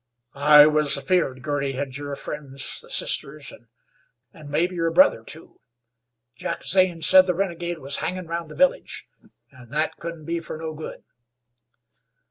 "I was afeared Girty hed your friends, the sisters, an' mebbe your brother, too. Jack Zane said the renegade was hangin' round the village, an' that couldn't be fer no good."